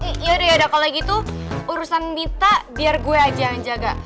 eh yaudah yaudah kalau gitu urusan mita biar gue aja yang jaga